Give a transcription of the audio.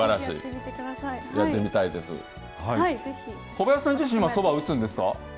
小林さん自身は、そば打つんですか？